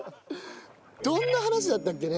どんな話だったっけね？